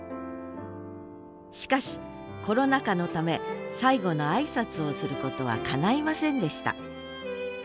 しかしコロナ禍のため最後の挨拶をすることはかないませんでした。